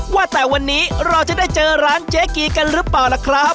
ว่าแต่วันนี้เราจะได้เจอร้านเจ๊กีกันหรือเปล่าล่ะครับ